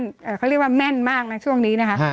เขาเรียกว่าแม่นมากนะช่วงนี้นะคะ